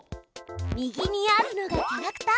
右にあるのがキャラクター。